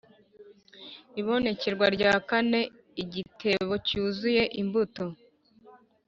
ibonekerwa rya kane: igitebo cyuzuye imbuto